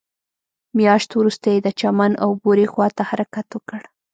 مياشت وروسته يې د چمن او بوري خواته حرکت وکړ.